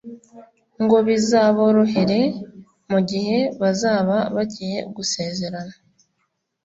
ngo bizaborohere mu gihe bazaba bagiye gusezerana